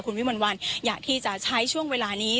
คุณวิมวลวันอยากที่จะใช้ช่วงเวลานี้